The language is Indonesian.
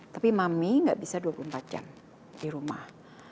tapi mami nggak bisa dua puluh empat jam di rumah